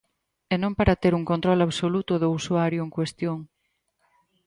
E non para ter un control absoluto do usuario en cuestión.